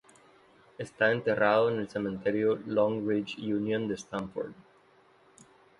Está enterrado en el Cementerio Long Ridge Union de Stamford.